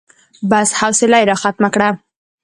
بس، حوصله يې راختمه کړه.